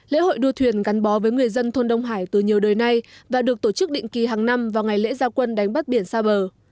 lễ hội đua thuyền gắn bó với người dân thôn đông hải từ nhiều đời nay và được tổ chức định kỳ hàng năm vào ngày lễ gia quân đánh bắt biển xa bờ